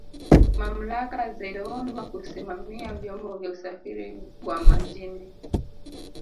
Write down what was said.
mamlaka ziliundwa Kusimamia vyombo vya usafiri wa majini